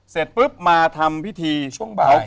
เศรษฐปม์มาทำพิธีเก้าล่ะ